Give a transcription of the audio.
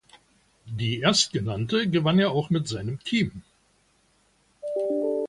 Die erstgenannte gewann er auch mit seinem Team.